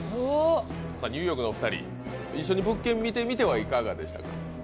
ニューヨークのお二人、一緒に物件を見てみていかがですか？